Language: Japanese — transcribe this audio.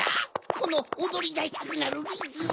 このおどりだしたくなるリズム。